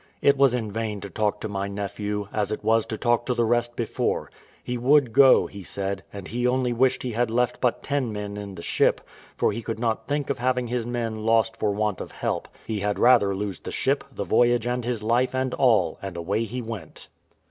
It was in vain to talk to my nephew, as it was to talk to the rest before; he would go, he said; and he only wished he had left but ten men in the ship, for he could not think of having his men lost for want of help: he had rather lose the ship, the voyage, and his life, and all; and away he went.